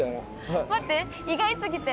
待って！